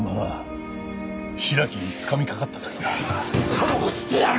殺してやる！